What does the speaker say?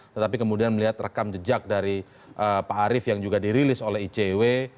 tetapi kemudian melihat rekam jejak dari pak arief yang juga dirilis oleh icw